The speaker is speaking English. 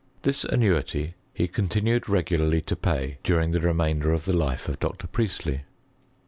This annuity ke continued regularly to pay during the remainder of the life of Dr. Priestley.